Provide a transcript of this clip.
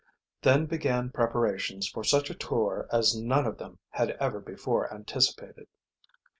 Then began preparations for such a tour as none of them had ever before anticipated.